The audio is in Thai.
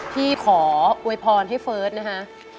พี่ขออวยพรให้เฟิร์สนะคะ